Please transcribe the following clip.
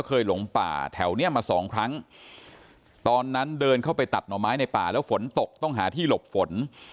หลงป่าแถวเนี้ยมาสองครั้งตอนนั้นเดินเข้าไปตัดหน่อไม้ในป่าแล้วฝนตกต้องหาที่หลบฝน